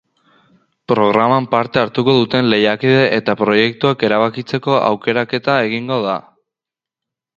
Programan parte hartuko duten lehiakide eta proiektuak erabakitzeko aukeraketa egingo da.